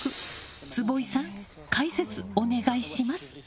坪井さん、解説お願いします。